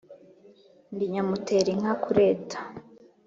Ndi nyamutera inka kureta.